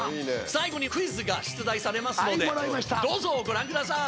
最後にクイズが出題されますのでどうぞご覧ください。